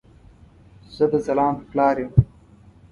زه د ځلاند پلار يم